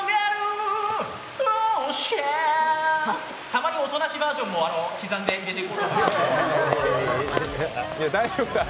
たまに音なしバージョンも刻んで出てきます。